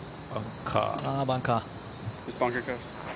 バンカー。